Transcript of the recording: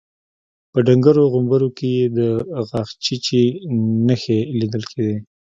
په ډنګرو غومبرو کې يې د غاښچيچي نښې ليدل کېدې.